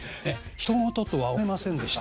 ひと事とは思えませんでした。